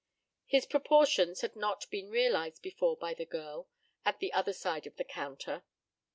His proportions had not been realized before by the girl at the other side of the counter.